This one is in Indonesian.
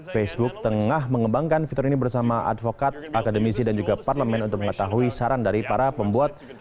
facebook tengah mengembangkan fitur ini bersama advokat akademisi dan juga parlemen untuk mengetahui saran dari para pembuat